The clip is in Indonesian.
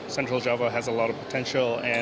central java memiliki banyak potensi